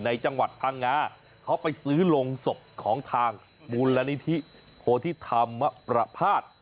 จังหวัดพังงาเขาไปซื้อโรงศพของทางมูลนิธิโพธิธรรมประพาท